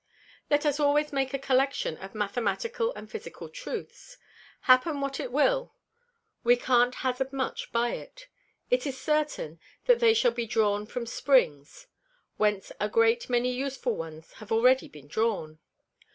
Let us always make a Collection of Mathematical and Physical Truths; happen what it will we can't hazard much by it. It is certain, that they shall be drawn from Springs, whence a great many useful ones have already been drawn.